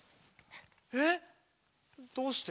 えっどうして？